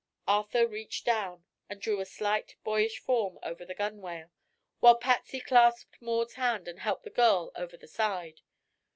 Arthur reached down and drew a slight, boyish form over the gunwale, while Patsy clasped Maud's hand and helped the girl over the side.